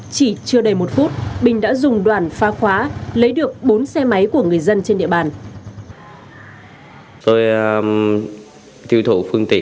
chỉ chưa đầy một phút bình đã rủ xe máy đến đà nẵng đưa cho các đối tượng quen biết ở quảng nam tiêu thụ